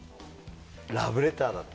ラブレターだって。